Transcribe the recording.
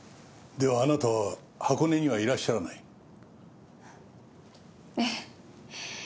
ではあなたは箱根にはいらっしゃらない？ええ。